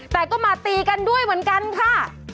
แต่ก็มาตีกันด้วยเหมือนกันค่ะ